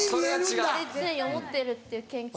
常に思ってるっていう研究結果。